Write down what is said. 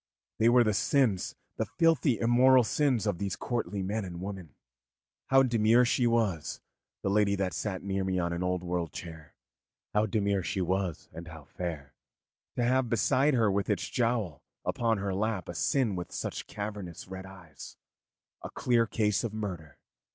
They were the sins, the filthy, immortal sins of those courtly men and women. How demure she was, the lady that sat near me on an old world chair how demure she was, and how fair, to have beside her with its jowl upon her lap a sin with such cavernous red eyes, a clear case of murder.